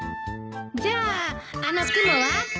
じゃああの雲は？